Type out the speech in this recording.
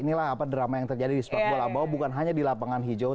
inilah drama yang terjadi di sebuah gol abo bukan hanya di lapangan hijau